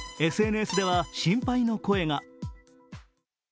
ＳＮＳでは心配の声が。